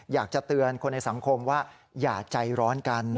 อยากจะเตือนคนในสังคมว่าอย่าใจร้อนกัน